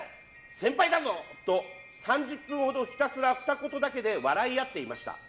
先輩だぞ！と３０分ほどひたすらふた言だけで笑い合っていました。